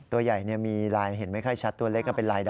ตัวใหญ่มีลายเห็นไม่ค่อยชัดตัวเล็กเป็นลายดำ